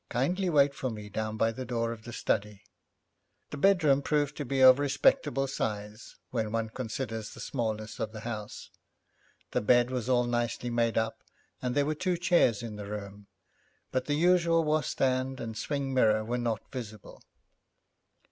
'Kindly wait for me down by the door of the study.' The bedroom proved to be of respectable size when one considers the smallness of the house. The bed was all nicely made up, and there were two chairs in the room, but the usual washstand and swing mirror were not visible.